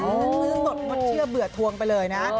มันมือหมดเมื่อเชื่อเบื่อทวงไปเลยนะ